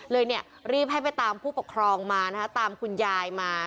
เลยรีบให้ไปตามผู้ปกครองมาตามคุณยายมา